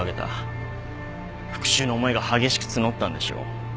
復讐の思いが激しく募ったんでしょう。